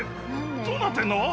どうなってんの？」